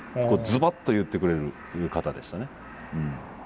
こうズバッと言ってくれる方でしたね。